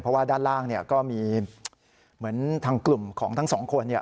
เพราะว่าด้านล่างก็มีเหมือนทางกลุ่มของทั้งสองคน